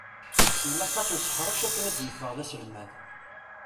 Ilaq-as useḥṛec akken ad d-yeffeɣ d aselmad!